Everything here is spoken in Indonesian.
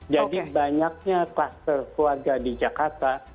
jadi banyaknya kluster keluarga di jakarta